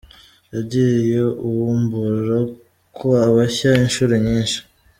Wagiye uvumbura ko abeshya inshuro nyinshi.